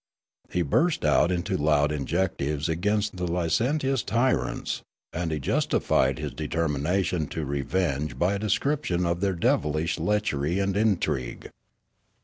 He burst out into loud invectives against the licentious tyrants ; and he justi fied his determination to revenge by a description of their devilish lechery and intrigue.